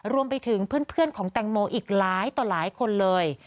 รวมไปถึงเพื่อนของแตงโมอีกหลายต่อหลายคนเลย